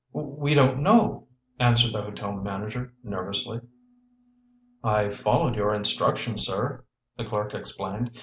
"We don't know," answered the hotel manager nervously. "I followed your instructions, sir," the clerk explained.